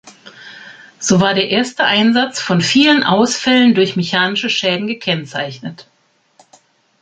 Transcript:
So war der erste Einsatz von vielen Ausfällen durch mechanische Schäden gekennzeichnet.